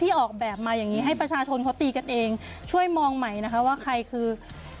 ออกแบบมาอย่างงี้ให้ประชาชนเขาตีกันเองช่วยมองใหม่นะคะว่าใครคือ